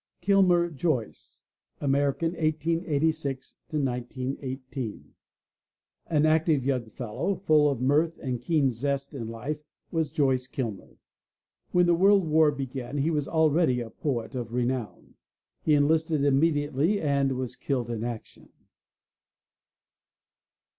KILMER, JOYCE (American, 1886 1918) An active young fellow, full of mirth and keen zest in life was Joyce Kilmer. When the World War began he was already a poet of renown. He enlisted immediately and was killed in action.